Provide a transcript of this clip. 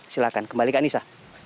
silahkan kembali ke anissa